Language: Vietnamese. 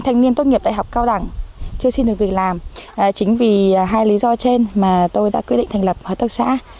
thành phố sơn la